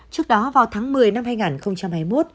trước đó vào tháng một mươi năm hai nghìn hai mươi một